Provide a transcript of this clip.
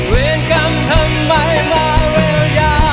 เวรกรรมทำไมมาแววอย่างนี้